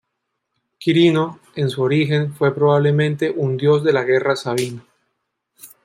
Quirino, en su origen, fue probablemente un dios de la guerra sabino.